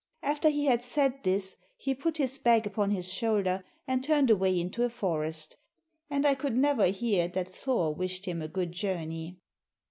After he had said this, he put his bag upon his shoulder and turned away into a forest; and I could never hear that Thor wished him a good journey.